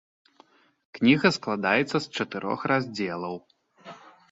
Кніга складаецца з чатырох раздзелаў.